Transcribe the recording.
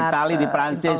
iya di itali di perancis